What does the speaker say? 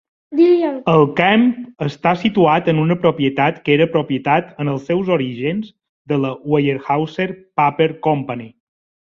El camp està situat en una propietat que era propietat en els seus orígens de la Weyerhauser Paper Company.